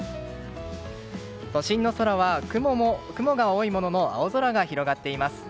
都心の空は雲が多いものの青空が広がっています。